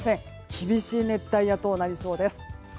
厳しい熱帯夜となりそうです。